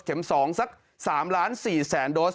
เข็มสองซะ๓ล้าน๔แสนโดส